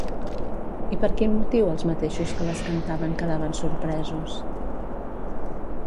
I per quin motiu els mateixos que les cantaven quedaven sorpresos?